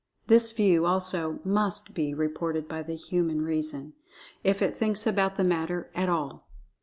This view, also, must[Pg 16] be reported by the human reason, if it thinks about the matter at all.